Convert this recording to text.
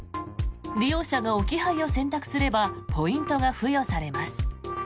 利用者が置き配を選択すればポイントが付与されます。